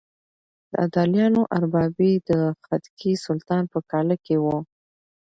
د ابدالیانو اربابي د خدکي سلطان په کاله کې وه.